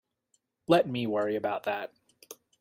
Let me worry about that.